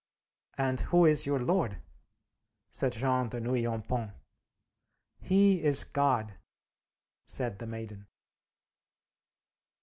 "And who is your Lord?" said Jean de Nouillompont. "He is God," said the Maiden.